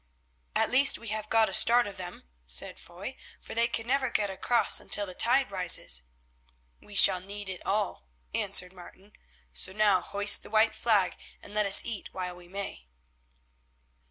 "At least we have got a start of them," said Foy, "for they can never get across until the tide rises." "We shall need it all," answered Martin; "so now hoist the white flag and let us eat while we may."